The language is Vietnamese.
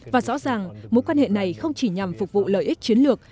và rõ ràng mối quan hệ này không chỉ nhằm phục vụ lợi ích chiến lược